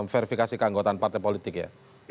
verifikasi keanggotaan partai politik ya